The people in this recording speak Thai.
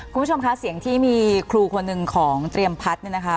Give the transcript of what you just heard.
คุณผู้ชมคะเสียงที่มีครูคนหนึ่งของเตรียมพัฒน์เนี่ยนะคะ